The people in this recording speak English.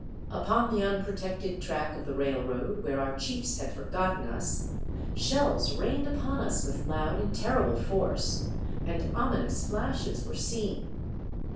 Upon the unprotected track of the railroad where our chiefs had forgotten us, shells rained upon us with loud and terrible force, and ominous flashes were seen.